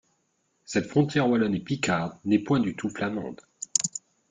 Cette frontière wallone et picarde n'est point du tout flamande.